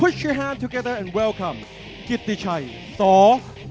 ๓คู่ที่ผ่านมานั้นการันตีถึงความสนุกดูดเดือดที่แฟนมวยนั้นสัมผัสได้ครับ